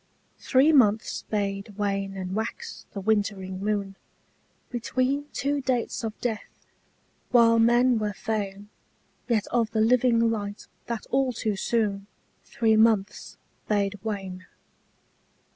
THREE months bade wane and wax the wintering moon Between two dates of death, while men were fain Yet of the living light that all too soon Three months bade wane.